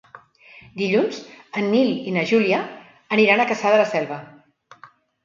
Dilluns en Nil i na Júlia aniran a Cassà de la Selva.